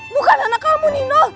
bukan anak kamu nino